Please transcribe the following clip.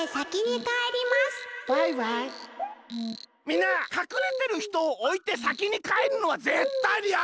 みんなかくれてるひとをおいてさきにかえるのはぜったいにやめよう！